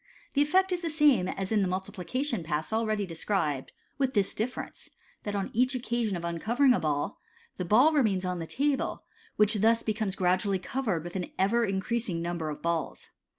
The effect is the same as in the " Multiplication " Pass, airily described, with this difference, that on each occasion of uncovering a Dall, the ball remains on the table, which thus becomes gradually covered with an ever increasing number of balls.